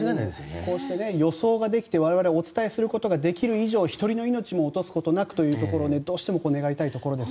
こうして予想ができて我々お伝えすることができる以上１人の命も落とすことなくというところをどうしても願いたいところです。